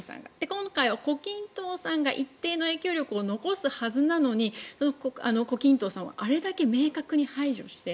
今回は胡錦涛さんが一定の影響力を及ぼすはずなのに胡錦涛さんをあれだけ明確に排除して。